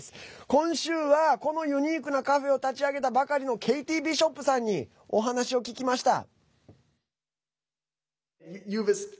今週は、このユニークなカフェを立ち上げたばかりのケイティ・ビショップさんにお話を聞きました。